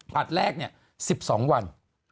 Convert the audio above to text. ผัดแรกเนี่ย๑๒วัน